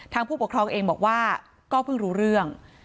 ผู้ปกครองเองบอกว่าก็เพิ่งรู้เรื่อง